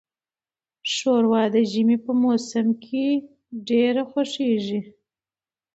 شوروا د ژمي په موسم کې ډیره خوښیږي.